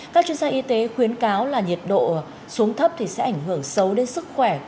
các chuyên gia y tế khuyến cáo là nhiệt độ xuống thấp sẽ ảnh hưởng sâu đến sức khỏe